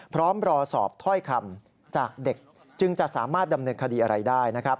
พร้อมรอสอบถ้อยคำจากเด็กจึงจะสามารถดำเนินคดีอะไรได้นะครับ